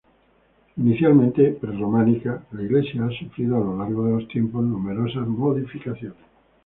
Inicialmente prerrománica, la iglesia ha sufrido a lo largo de los tiempos numerosas modificaciones.